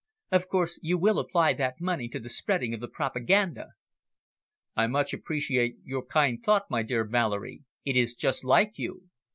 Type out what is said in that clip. Of course you will apply that money to the spreading of the propaganda." "I much appreciate your kind thought, my dear Valerie; it is just like you.